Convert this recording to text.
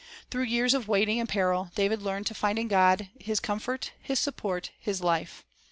Through years of waiting and peril, David learned to find in God his comfort, his support, his life.